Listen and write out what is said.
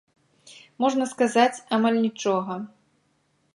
Можна сказаць, амаль нічога.